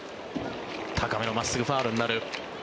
高めの真っすぐファウルになる。